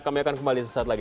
kami akan kembali sesaat lagi